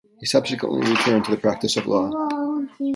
He subsequently returned to the practice of law.